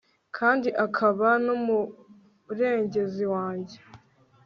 kandi akaba n'umurengezi wanjye